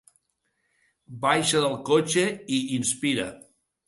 Baixa del cotxe i inspira.